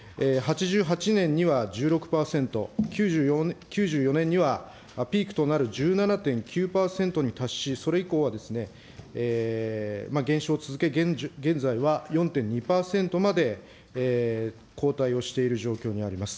こちら、日本のＧＤＰはですね、１９５０年には３％、そして８８年には１６％、９４年にはピークとなる１７．９％に達し、それ以降は減少を続け、現在は４．２％まで後退をしている状況にあります。